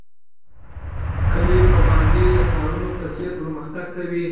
کلي او بانډې د ښارونو په څیر پرمختګ کوي.